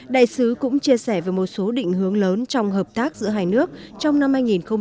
đại sứ cũng chia sẻ về một số định hướng lớn trong hợp tác giữa hai nước trong năm hai nghìn hai mươi